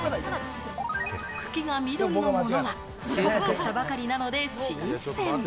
茎が緑のものは収穫したばかりなので新鮮。